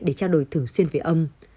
để trao đổi thử xuyên với ông